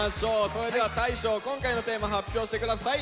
それでは大昇今回のテーマ発表して下さい。